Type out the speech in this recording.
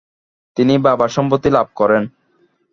তিনি বাবার সম্পত্তি লাভ করেন।